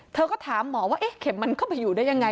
เธอก็ถามหมอว่าเข็มมันเข้าไปอยู่ได้ยังไง